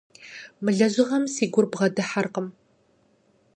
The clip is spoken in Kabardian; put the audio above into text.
Мы лэжьыгъэм си гур бгъэдыхьэркъым.